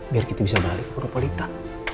biar kita bisa balik ke ponopolita